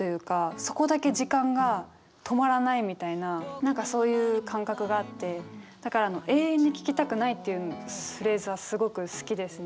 そこだけ時間が止まらないみたいな何かそういう感覚があってだからあの「永遠に聞きたくない」っていうフレーズはすごく好きですね。